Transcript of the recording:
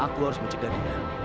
aku harus menyegah dinam